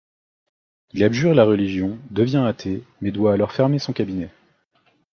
Il abjure la religion, devient athée, mais doit alors fermer son cabinet.